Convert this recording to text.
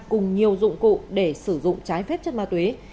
cùng nhiều dụng cụ để sử dụng trái phép chất ma túy